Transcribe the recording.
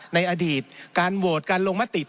ในอดีตการโหวตการลงมติ